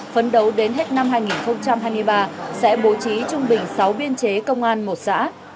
phấn đấu đến hết năm hai nghìn hai mươi ba sẽ bố trí trung bình sáu biên chế công an một xã